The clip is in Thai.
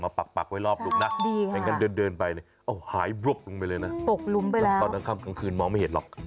มาปากไว้รอบดิ